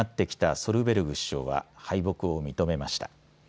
ソルベルク首相は敗北を認めました。